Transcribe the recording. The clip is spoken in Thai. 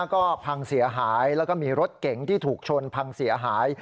ก็พังเสียหายแล้วก็มีรถเก๋งที่ถูกชนพังเสียหาย